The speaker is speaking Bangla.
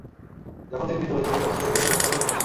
যখন থেকে মৃত হয়েছি, তখন থেকে কেউ শুভ কাজেও ডাকে না।